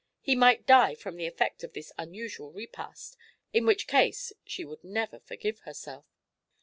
He might die from the effect of this unusual repast, in which case she would never forgive herself.